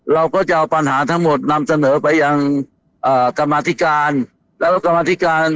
เราก็จะเอาปัญหาทั้งหมดนำเสนอไปยังกรรมาธิการ